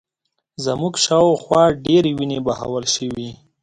زموږ شا و خوا ډېرې وینې بهول شوې